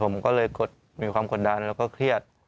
ผมก็เลยมีความกดดันแล้วก็เครียด